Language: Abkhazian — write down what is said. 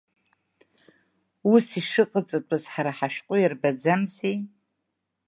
Ус шыҟаҵатәыз ҳара ҳашәҟәы иарбаӡамзеи?